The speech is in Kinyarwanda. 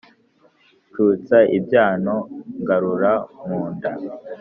nshutsa ibyano ngarura mu nda,